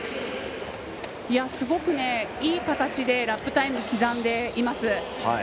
すごく、いい形でラップタイム、刻んでいます。